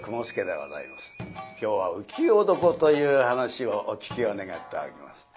今日は「浮世床」という噺をお聴きを願っております。